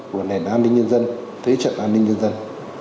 của nền an ninh nhân dân thế trận an ninh nhân dân